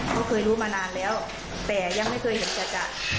เขาเคยรู้มานานแล้วแต่ยังไม่เคยเห็นจัด